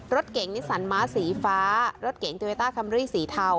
รถเก่งนิสันม้าสีฟ้ารถเก๋งโตโยต้าคัมรี่สีเทา